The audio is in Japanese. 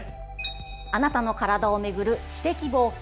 「あなたの体をめぐる知的冒険」。